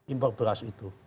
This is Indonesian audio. impor beras itu